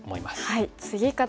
はい。